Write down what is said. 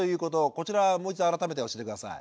こちらもう一度改めて教えて下さい。